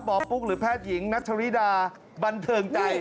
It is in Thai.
หมอปุ๊บหรือแพทย์หญิงนักชะลีดาบันเทิงใจ